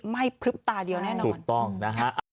ไม่พลึกตาเดียวแน่นอนถูกต้องนะฮะเอาล่ะ